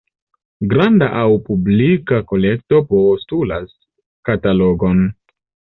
Granda aŭ publika kolekto postulas katalogon.